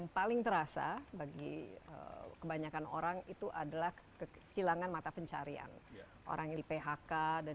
paling terasa bagi kebanyakan orang itu adalah kehilangan mata pencarian orang yang di phk dan